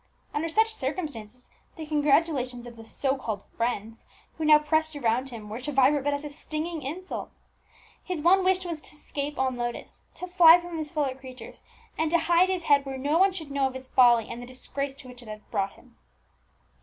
Under such circumstances the congratulations of the so called friends who now pressed around him were to Vibert but as a stinging insult. His one wish was to escape all notice, to fly from his fellow creatures, and to hide his head where no one should know of his folly and the disgrace to which it had brought him.